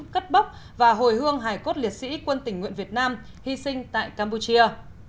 cất bốc và hồi hương hài cốt liệt sĩ quân tỉnh nguyện việt nam hy sinh tại campuchia